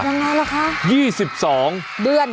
ยังไงล่ะคะ๒๒เดือน